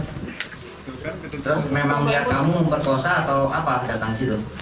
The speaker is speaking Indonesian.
terus memang lihat kamu memperkosa atau apa datang situ